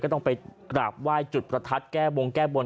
ต้องไปกราบไหว้จุดประทัดแก้บงแก้บน